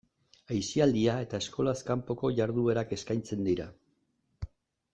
Aisialdia eta eskolaz kanpoko jarduerak eskaintzen dira.